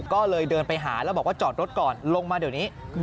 ก็เลยเดินไปหาแล้วบอกว่าจอดรถก่อนลงมาเดี๋ยวนี้